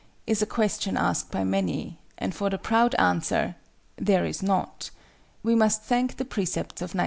is a question asked by many; and for the proud answer, "There is not," we must thank the Precepts of Knighthood.